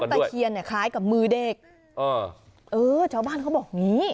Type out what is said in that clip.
เห็นท่านตะเฮียนเนี่ยคล้ายกับมือเด็กเออเออชาวบ้านเขาบอกงี้